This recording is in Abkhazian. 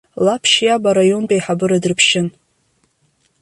Лаԥшь иаб араионтә еиҳабыра дрыԥшьын.